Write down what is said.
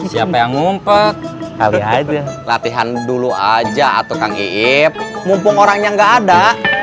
siapa yang ngumpet kali aja latihan dulu aja atau kang iip mumpung orang yang nggak ada